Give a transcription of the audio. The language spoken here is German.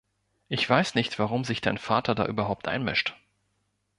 Ich weiß nicht, warum sich dein Vater da überhaupt einmischt.